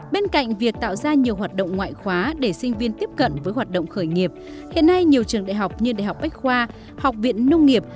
bên cạnh việc tạo ra nhiều hoạt động ngoại khóa để sinh viên tiếp cận với hoạt động khởi nghiệp hiện nay nhiều trường đại học như đại học bách khoa học viện nông nghiệp